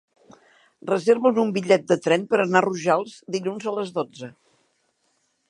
Reserva'm un bitllet de tren per anar a Rojals dilluns a les dotze.